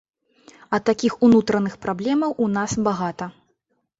А такіх унутраных праблемаў у нас багата.